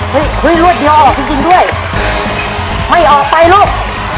เฮ้ยรวดเดียวออกจริงจริงด้วยไม่ออกไปลูก